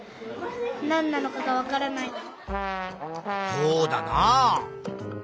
そうだなあ。